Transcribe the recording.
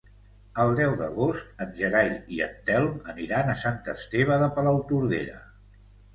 El deu d'agost en Gerai i en Telm aniran a Sant Esteve de Palautordera.